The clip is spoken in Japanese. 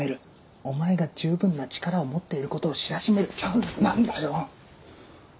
お前が十分な力を持っていることを知らしめるチャンスなんだよ。